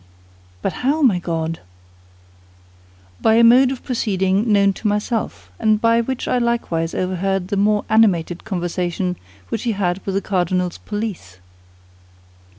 "But how, my God?" "By a mode of proceeding known to myself, and by which I likewise overheard the more animated conversation which he had with the cardinal's police."